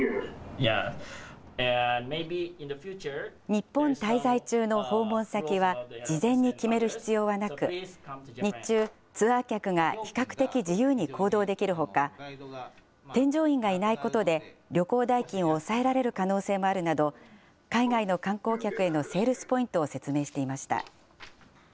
日本滞在中の訪問先は事前に決める必要はなく、日中、ツアー客が比較的自由に行動できるほか、添乗員がいないことで旅行代金を抑えられる可能性もあるなど、海外の観光客へのセールスポイントを説明していました。